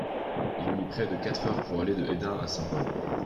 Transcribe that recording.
Il mit près de quatre heures pour aller de Hesdin à Saint-Pol.